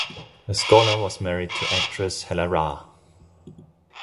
Eskola was married to actress Helle Raa.